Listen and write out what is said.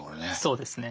そうですね。